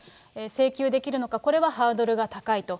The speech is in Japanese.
請求できるのか、これはハードルが高いと。